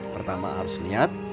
pertama harus niat